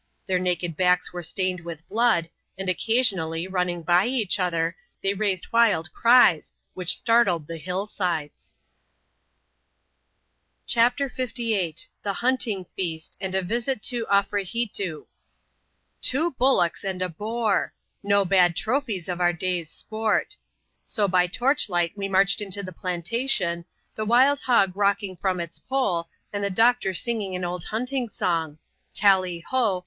Their naked backs were sttuned with blood ; and occasionally, running by each other, they raised wild cries> which startled the hillsides. S24 ADVENTURES IN THE SOUTH SEAS. [cOAPiiMn. CHAPTER LVm. The HontiDg feast ; and a Visit to Afrehitoo. Two bullocks and a boar ! No bad trophies of our da/s sport So by torchlight we inarched into the plantation, the wild hog xocking from its pole, and the doctor singing an old hunting* song — Tally ho